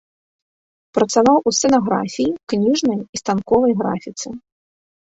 Працаваў у сцэнаграфіі, кніжнай і станковай графіцы.